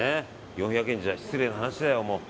４００円じゃ、失礼な話だよ。